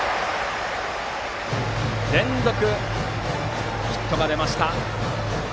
連続ヒットが出ました。